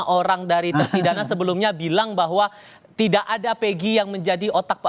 orang dari terpidana sebelumnya bilang bahwa tidak ada pegi yang menjadi otak